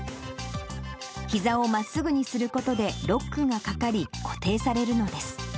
ひざをまっすぐにすることで、ロックがかかり、固定されるのです。